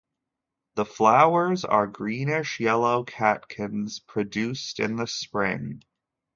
The flowers are greenish-yellow catkins, produced in the spring.